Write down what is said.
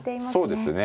そうですね。